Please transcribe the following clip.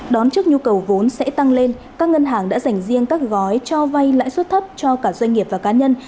đón trước nhu cầu vốn sẽ tăng lên các ngân hàng đã dành riêng các gói cho vay lãi suất thấp cho cả doanh nghiệp và cá nhân